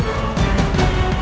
ada kesipulannya dalam lagu ini